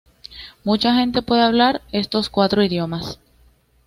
Mucha gente puede hablar estos cuatro idiomas.